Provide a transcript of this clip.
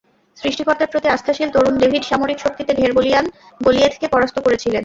সৃষ্টিকর্তার প্রতি আস্থাশীল তরুণ ডেভিড সামরিক শক্তিতে ঢের বলীয়ান গলিয়েথকে পরাস্ত করেছিলেন।